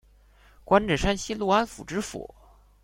官至山西潞安府知府。